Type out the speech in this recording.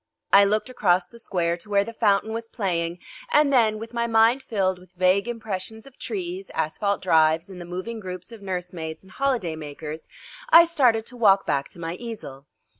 I looked across the square to where the fountain was playing and then, with my mind filled with vague impressions of trees, asphalt drives, and the moving groups of nursemaids and holiday makers, I started to walk back to my easel.